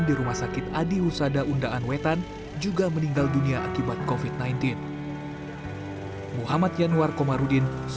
di rumah sakit adi husada undaan wetan juga meninggal dunia akibat kofit sembilan belas